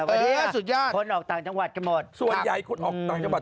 วันนี้สุดยอดคนออกต่างจังหวัดกันหมดส่วนใหญ่คนออกต่างจังหวัด